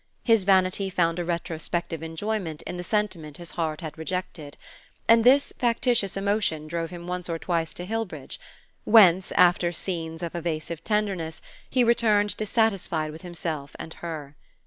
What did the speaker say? His vanity found a retrospective enjoyment in the sentiment his heart had rejected, and this factitious emotion drove him once or twice to Hillbridge, whence, after scenes of evasive tenderness, he returned dissatisfied with himself and her.